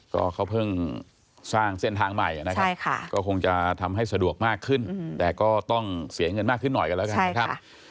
ก็เขาเพิ่งสร้างเส้นทางใหม่นะครับก็คงจะทำให้สะดวกมากขึ้นแต่ก็ต้องเสียเงินมากขึ้นหน่อยกันแล้วกันนะครับ